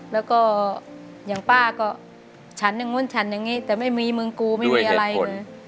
แล้วก็อย่างป้าก็ฉันอย่างนู้นฉันอย่างนี้แต่ไม่มีมึงกูไม่มีอะไรเลย